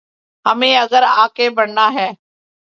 ہمیں اگر آگے بڑھنا ہے۔